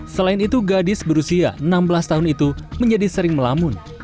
selain itu gadis berusia enam belas tahun itu menjadi sering melamun